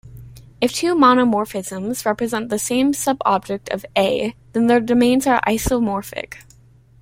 If two monomorphisms represent the same subobject of "A", then their domains are isomorphic.